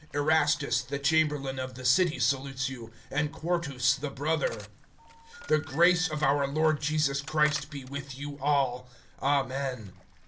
Erastus the chamberlain of the city salutes you, and Quartus the brother. (24)The grace of our Lord Jesus Christ be with you all. Amen.